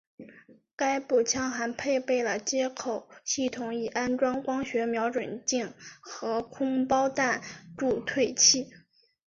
该步枪还配备了接口系统以安装光学瞄准镜和空包弹助退器。